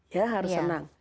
ya harus senang